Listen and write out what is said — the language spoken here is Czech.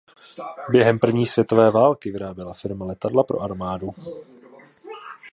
Během první světové války vyráběla firma letadla pro armádu.